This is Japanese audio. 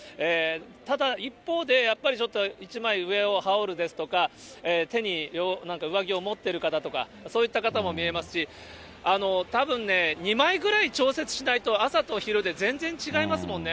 ただ、一方でやっぱりちょっと、一枚上を羽織るですとか、手に上着を持ってる方とか、そういった方も見えますし、たぶんね、２枚ぐらい調節しないと、朝と昼で全然違いますもんね。